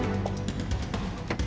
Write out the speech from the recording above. saya merasakan hidup saya